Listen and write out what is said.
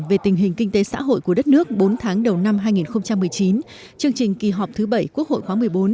về tình hình kinh tế xã hội của đất nước bốn tháng đầu năm hai nghìn một mươi chín chương trình kỳ họp thứ bảy quốc hội khóa một mươi bốn